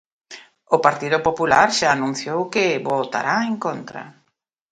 O Partido Popular xa anunciou que votará en contra.